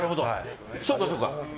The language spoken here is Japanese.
そうか、そうか。